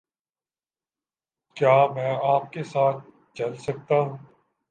کیا میں آپ کے ساتھ چل سکتا ہوں؟